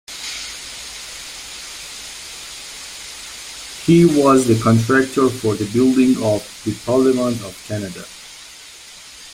He was the contractor for the building of the Parliament of Canada.